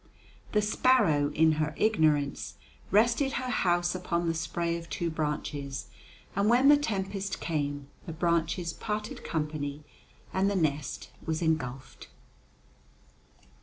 The sparrow, in her ignorance, rested her house upon the spray of two branches, and when the tempest came, the branches parted company and the nest was engulfed.